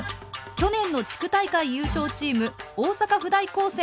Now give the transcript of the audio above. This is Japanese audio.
去年の地区大会優勝チーム大阪府大高専。